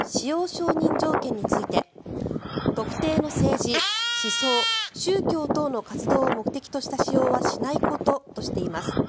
承認条件について特定の政治、思想、宗教等の活動を目的とした使用はしないこととしています。